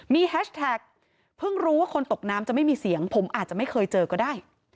มีแฮชแท็กเพิ่งรู้ว่าคนตกน้ำจะไม่มีเสียงผมอาจจะไม่เคยเจอก็ได้